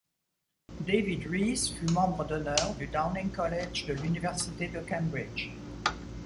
David Rees fut membre d'honneur du Downing College de l'université de Cambridge.